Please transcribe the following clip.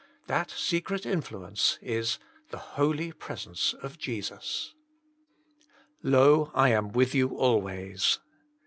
That secret influence is the f)o[is pteeence of 5c0U0» * '<Lo, I am with you always."